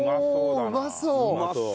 うまそう！